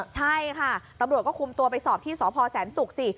ใช่ค่ะตำรวจก็คุมตัวไปสอบที่สพแสนศุกร์สิ